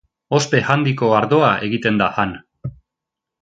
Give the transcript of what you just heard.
Ospe handiko ardoa egiten da han.